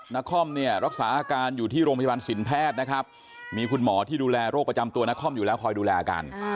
นครเนี่ยรักษาอาการอยู่ที่โรงพยาบาลสินแพทย์นะครับมีคุณหมอที่ดูแลโรคประจำตัวนครอยู่แล้วคอยดูแลอาการ